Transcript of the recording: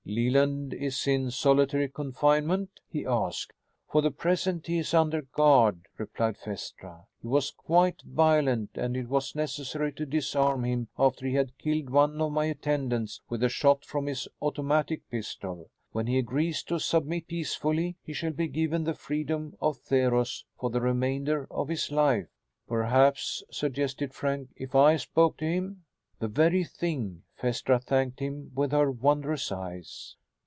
"Leland is in solitary confinement?" he asked. "For the present he is under guard," replied Phaestra. "He was quite violent and it was necessary to disarm him after he had killed one of my attendants with a shot from his automatic pistol. When he agrees to submit peacefully, he shall be given the freedom of Theros for the remainder of his life." "Perhaps," suggested Frank, "if I spoke to him...." "The very thing." Phaestra thanked him with her wondrous eyes.